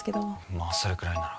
まあそれくらいなら。